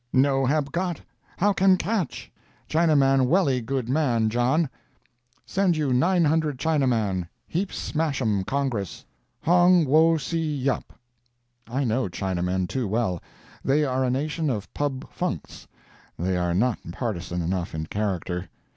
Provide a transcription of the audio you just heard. No hab got, how can catch? Chinaman welly good man, John. Send you nine hundred Chinaman, heap smach 'um Congress. Hong Wo See Yup. I know Chinamen too well. They are a nation of Pub Funcs. They are not partisan enough in character.